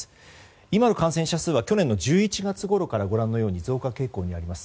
今の感染者数は去年の１１月ごろから増加傾向にあります。